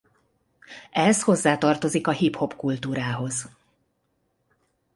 Ez hozzátartozik a hiphop kultúrához.